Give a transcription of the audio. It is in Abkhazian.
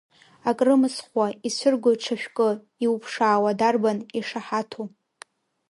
Ак рымызхуа, ицәыргоит ҽа шәкы, иуԥшаауа дарбан, ишаҳаҭу?